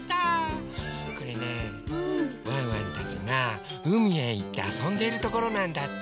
これねワンワンたちがうみへいってあそんでいるところなんだって。